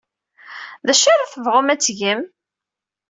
D acu ara tebɣum ad t-tgem?